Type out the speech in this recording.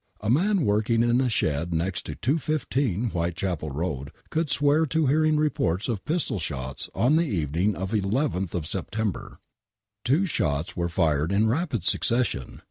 A man working in a shed next to "215 Whitechapel Road " could swear to hearing reports of pistol shots on the evening of 11th of September. Two shots were fired in rapid succession